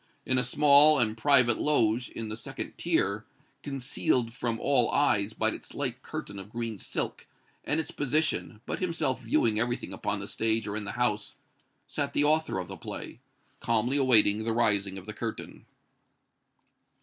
In a small and private loge in the second tier, concealed from all eyes by its light curtain of green silk, and its position, but himself viewing everything upon the stage or in the house, sat the author of the play, calmly awaiting the rising of the curtain.